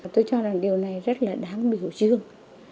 tôi cho rằng điều này rất là đáng biểu dương